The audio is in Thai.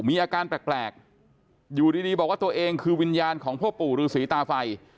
มีอาการแปลกอยู่ดีบอกว่าตัวเองคือวิญญาณของพ่อปู่ฤษีตาไฟ